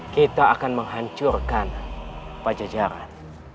kita akan menghancurkan pajak jahat